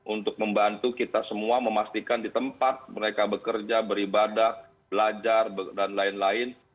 untuk membantu kita semua memastikan di tempat mereka bekerja beribadah belajar dan lain lain